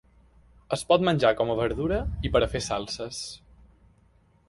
Es pot menjar com a verdura i per a fer salses.